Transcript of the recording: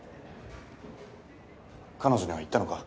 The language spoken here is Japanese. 彼女には言ったのか？